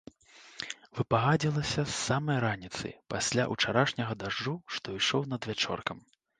Выпагадзілася з самай раніцы пасля ўчарашняга дажджу, што ішоў надвячоркам.